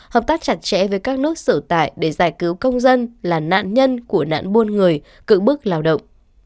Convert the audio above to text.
hợp tác chặt chẽ với các nước sở tại để giải cứu công dân là nạn nhân của nạn buôn người cự bước lao động